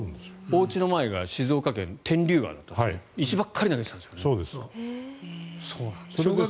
おうちの前が静岡県の天竜川だったんですが石ばっかり投げてたんですって。